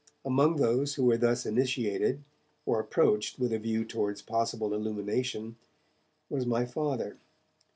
Among those who were thus initiated, or approached with a view towards possible illumination, was my Father.